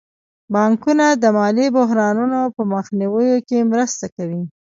بانکونه د مالي بحرانونو په مخنیوي کې مرسته کوي.